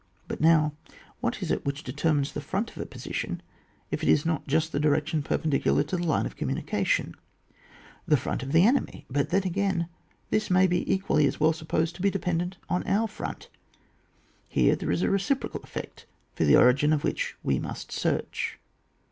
But now, what is it which determines the front of a position, if it is not just the direction perpendicular to the line of communication ? The front of the enemy ; but then, again, this may be equally as well supposed as dependent on our front. Here there is a reciprocal effect, for the origin of which we must search.